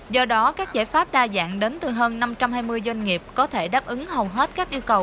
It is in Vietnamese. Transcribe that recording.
do đó các giải pháp đa dạng đến từ hơn năm trăm hai mươi doanh nghiệp có thể đáp ứng hầu hết các yêu cầu